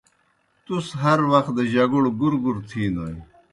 تُس ہر وخ دہ جگوڑ گُرگُر تِھینوئے۔